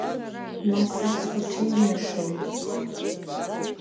Нас аҵх аҽеиҩнашоит.